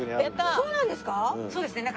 そうなんですか？